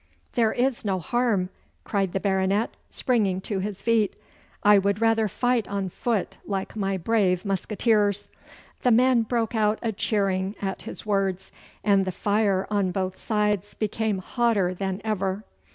'There is no harm!' cried the Baronet, springing to his feet, 'I would rather fight on foot like my brave musqueteers.' The men broke out a cheering at his words, and the fire on both sides became hotter than ever.